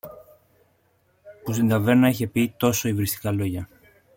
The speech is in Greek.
που στην ταβέρνα είχε πει τόσο υβριστικά λόγια